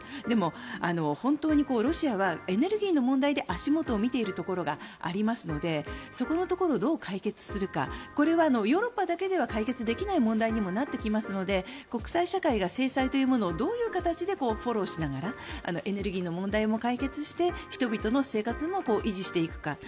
でも本当にロシアはエネルギーの問題で足元を見ているところがありますのでそこのところをどう解決するかこれはヨーロッパだけでは解決できない問題にもなってきますので国際社会が制裁というものをどういう形でフォローしながらエネルギーの問題も解決して人々の生活も維持していくか。